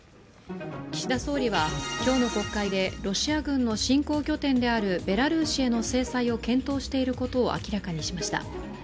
岸田総理は今日の国会でロシア軍の侵攻拠点であるベラルーシへの制裁を検討していることを明らかにしました。